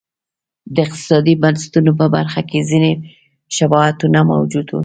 د اقتصادي بنسټونو په برخه کې ځیني شباهتونه موجود و.